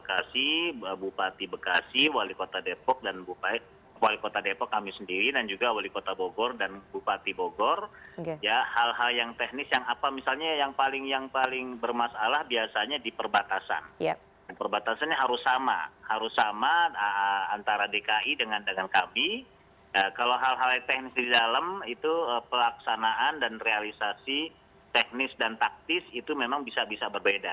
kalau hal hal teknis di dalam itu pelaksanaan dan realisasi teknis dan taktis itu memang bisa bisa berbeda